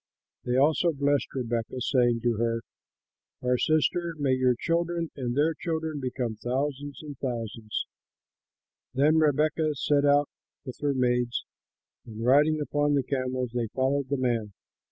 They also blessed Rebekah, saying to her, "Our sister! may your children and their children become thousands and thousands!" Then Rebekah set out with her maids and, riding upon the camels, they followed the man.